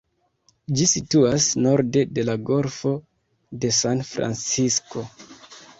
Ĝi situas norde de la Golfo de San-Francisko.